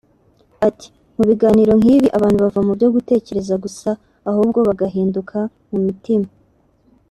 Ati “Mu biganiro nk’ibi abantu bava mu byo gutekereza gusa ahubwo bagahinduka mu mitima